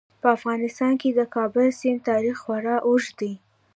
په افغانستان کې د کابل سیند تاریخ خورا اوږد دی.